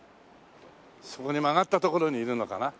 そこに曲がった所にいるのかな？